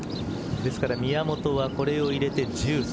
ですから宮本はこれを入れて１３。